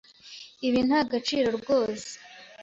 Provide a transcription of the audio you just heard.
Ibi nta gaciro rwose.